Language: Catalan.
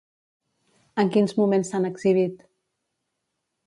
En quins moments s'han exhibit?